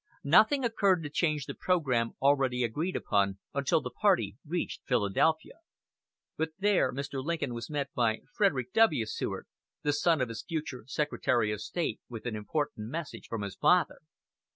Nothing occurred to change the program already agreed upon until the party reached Philadelphia; but there Mr. Lincoln was met by Frederick W. Seward, the son of his future Secretary of State, with an important message from his father.